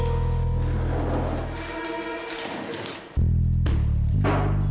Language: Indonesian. pmm pin belum